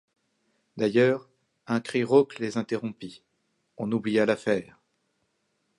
D’ailleurs, un cri rauque les interrompit, on oublia l’affaire.